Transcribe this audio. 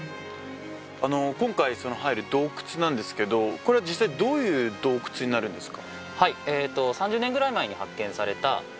今回入る洞窟なんですけどこれは実際どういう洞窟になるんですか？